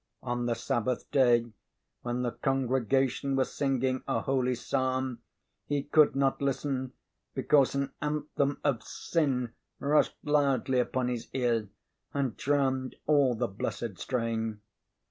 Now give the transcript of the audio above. On the Sabbath day, when the congregation were singing a holy psalm, he could not listen because an anthem of sin rushed loudly upon his ear and drowned all the blessed strain.